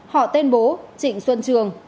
họ tên bố trịnh xuân trường